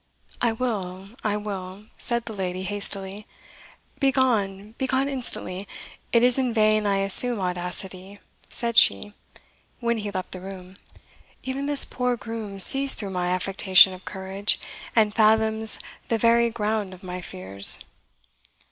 "I will I will," said the lady hastily. "Begone, begone instantly! It is in vain I assume audacity," said she, when he left the room; "even this poor groom sees through my affectation of courage, and fathoms the very ground of my fears."